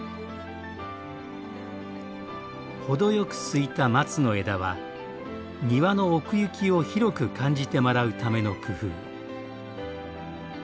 程よくすいた松の枝は庭の奥行きを広く感じてもらうための工夫。